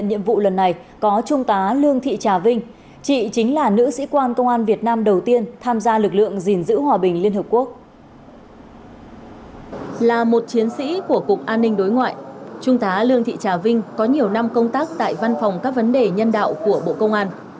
trung tá lương thị trà vinh có nhiều năm công tác tại văn phòng các vấn đề nhân đạo của bộ công an